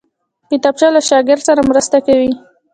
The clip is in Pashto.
کتابچه له شاګرد سره مرسته کوي